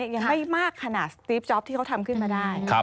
ยังไม่มากขนาดสตรีฟจ๊อปที่เขาทำขึ้นมาได้